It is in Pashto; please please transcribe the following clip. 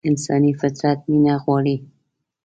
انساني فطرت مينه غواړي.